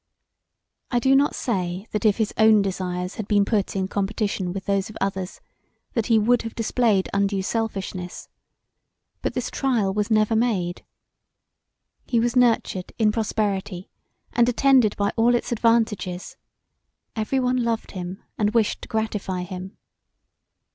I do not say that if his own desires had been put in competition with those of others that he would have displayed undue selfishness, but this trial was never made. He was nurtured in prosperity and attended by all its advantages; every one loved him and wished to gratify him.